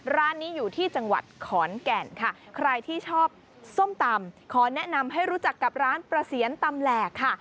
ร้านนี้อยู่ที่จังหวัดขอนแก่นค่ะใครที่ชอบส้มตำขอแนะนำให้รู้จักกับร้านประเสียนตำแหลกค่ะ